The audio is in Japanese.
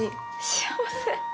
幸せ。